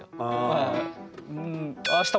はい。